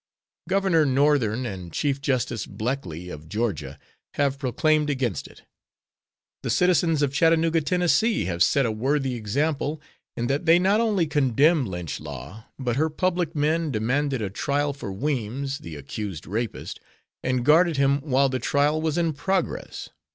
Governor Northern and Chief Justice Bleckley of Georgia have proclaimed against it. The citizens of Chattanooga, Tenn., have set a worthy example in that they not only condemn lynch law, but her public men demanded a trial for Weems, the accused rapist, and guarded him while the trial was in progress.